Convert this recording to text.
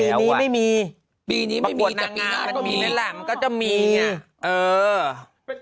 ปีนี้ไม่มีปีนี้ไม่มีแต่ปีหน้าก็มีนั่นแหละมันก็จะมีอ่ะเออ